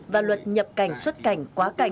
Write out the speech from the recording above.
và luật nhập cảnh xuất cảnh quá cảnh